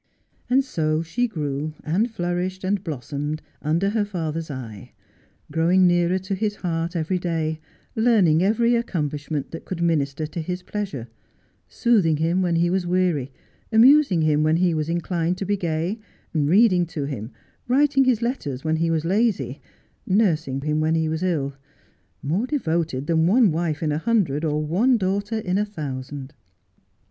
And so she grew, and flourished, and blossomed under her father's eye, growing nearer to his heart every day, learning every accomplishment that could minister to his pleasure, soothing him when he was weary, amusing him when he was inclined to be gay, reading to him, writing his letters Father and Damjhlcr. 15 when he was lazy, nursing him when lie was ill, more devoted than one wife in a hundred or one daughter in a thousand.